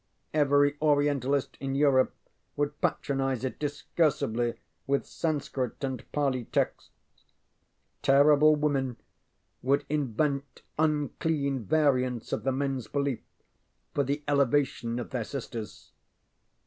Every Orientalist in Europe would patronize it discursively with Sanskrit and Pali texts. Terrible women would invent unclean variants of the menŌĆÖs belief for the elevation of their sisters.